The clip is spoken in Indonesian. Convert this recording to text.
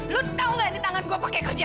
lu tahu nggak di tangan gue pakai kerja